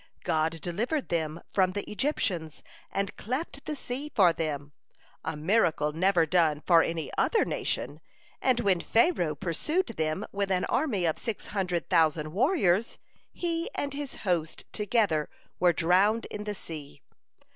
God delivered them from the Egyptians, and cleft the sea for them, a miracle never done for any other nation, and when Pharaoh pursued them with an army of six hundred thousand warriors, he and his host together were drowned in the sea.